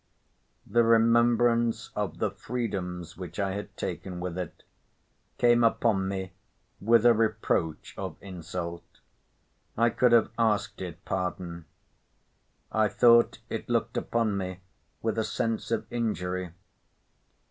The remembrance of the freedoms which I had taken with it came upon me with a reproach of insult. I could have asked it pardon. I thought it looked upon me with a sense of injury.